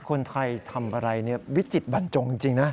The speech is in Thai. คนไทยทำอะไรวิจิตบรรจงจริงนะ